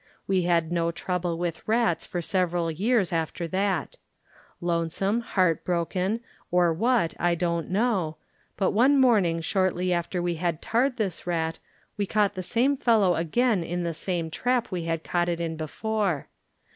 We had no trouble with rats for several years after that Lonesome, heart broken, or what, I don't know ; but one morning shortly after we had tarred this rat we caught the same fellow again in the same trap we had caught it in before.